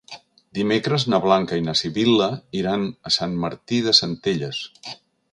Dimecres na Blanca i na Sibil·la iran a Sant Martí de Centelles.